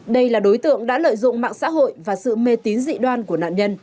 đây là đối tượng đã lợi dụng mạng xã hội và sự mê tín dị đoan của nạn nhân